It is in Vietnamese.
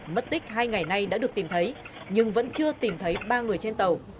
mất tích hai ngày nay đã được tìm thấy nhưng vẫn chưa tìm thấy ba người trên tàu